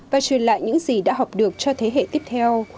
và truyền lại những gì đã học được cho thế hệ tiếp theo